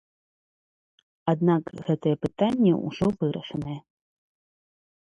Аднак гэтае пытанне ўжо вырашанае.